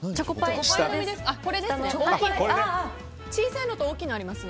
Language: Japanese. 小さいのと大きいのありますが。